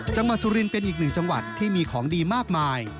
สุรินทร์เป็นอีกหนึ่งจังหวัดที่มีของดีมากมาย